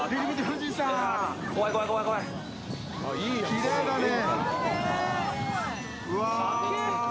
きれいだね。